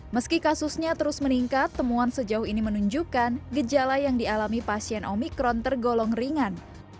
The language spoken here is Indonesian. meski kasusnya terus meningkat temuan sejauh ini menunjukkan gejala yang dialami pasien omikron tergolong ringan